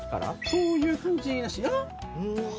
そういう感じなっし。